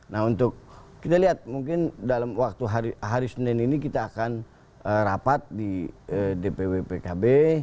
nah untuk kita lihat mungkin dalam waktu hari senin ini kita akan rapat di dpw pkb